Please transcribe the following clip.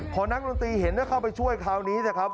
พอนักดนตรีเห็นเข้าไปช่วยคราวนี้เถอะครับ